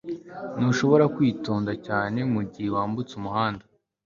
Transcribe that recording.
Ntushobora kwitonda cyane mugihe wambutse umuhanda